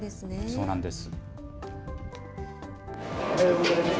そうなんです。